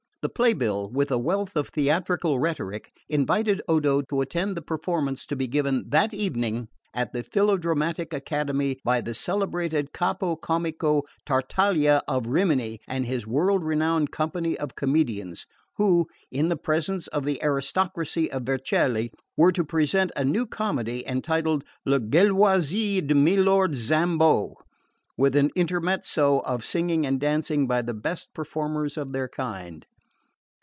The play bill, with a wealth of theatrical rhetoric, invited Odo to attend the Performance to be given that evening at the Philodramatic Academy by the celebrated Capo Comico Tartaglia of Rimini and his world renowned company of Comedians, who, in the presence of the aristocracy of Vercelli, were to present a new comedy entitled "Le Gelosie di Milord Zambo," with an Intermezzo of singing and dancing by the best Performers of their kind.